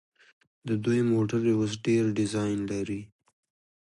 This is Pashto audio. د دوی موټرې اوس ښه ډیزاین لري.